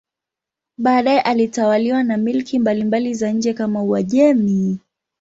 Baadaye ilitawaliwa na milki mbalimbali za nje kama Uajemi.